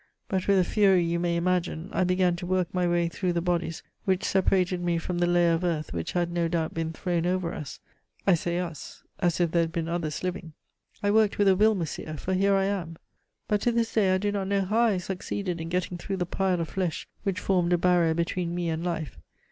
But with a fury you may imagine, I began to work my way through the bodies which separated me from the layer of earth which had no doubt been thrown over us I say us, as if there had been others living! I worked with a will, monsieur, for here I am! But to this day I do not know how I succeeded in getting through the pile of flesh which formed a barrier between me and life.